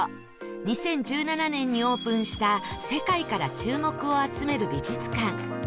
２０１７年にオープンした世界から注目を集める美術館